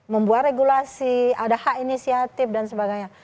membuat regulasi ada hak inisiatif dan sebagainya